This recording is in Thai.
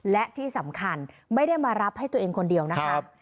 และที่สำคัญไม่ได้มารับให้ตัวเองคนเดียวนะคะ